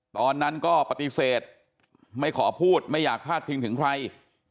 ตอนนั้นก็ปฏิเสธไม่ขอพูดไม่อยากพาดพิงถึงใคร